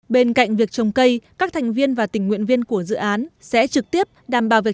bên cạnh việc trồng cây các thành viên và tình nguyện viên của dự án sẽ trực tiếp đảm bảo việc